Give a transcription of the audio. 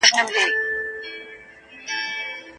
سياسي ګوندونه د نوي ډيموکراسۍ په پايله کي پيدا سول.